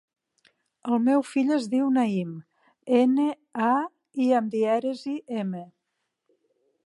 El meu fill es diu Naïm: ena, a, i amb dièresi, ema.